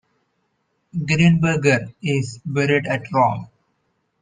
Grienberger is buried at Rome.